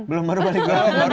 belum baru balik